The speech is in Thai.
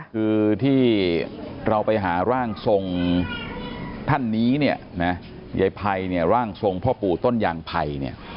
คือที่เราไปหาร่างทรงท่านนี้เนี้ยแยมไปหรือร่างทรงพ่อปูต้นยางไพ